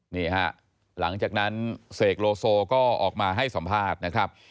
นี่ฮะหลังจากนั้นเสกโลโซก็ออกมาให้สัมภาษณ์นะครับ